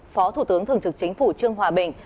phó thủ tướng thường trực chính phủ trương hòa bình